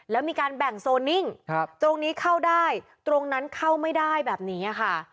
แล้วมีการแบ่งโซนิ่งตรงนี้เข้าได้ตรงนั้นเข้าไม่ได้แบบนี้ค่ะ